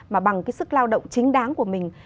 mà bằng cái sức lao động chính đáng của mình